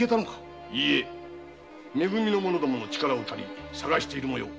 いえめ組の力を借り捜しているもよう。